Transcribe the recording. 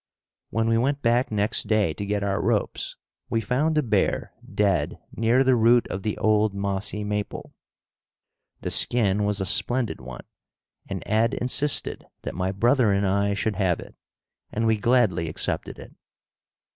When we went back next day to get our ropes we found the bear dead near the root of the old mossy maple. The skin was a splendid one, and Ed insisted that my brother and I should have it, and we gladly accepted it.